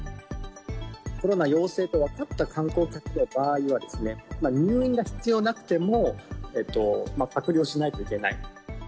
コロナ陽性と分かった観光客の場合はですね、入院が必要なくても隔離をしないといけない。